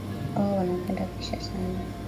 Hawa wanapenda picha sana.